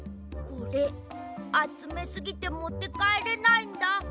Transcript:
これあつめすぎてもってかえれないんだ。